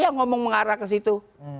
dia ngomong mengarah ke situ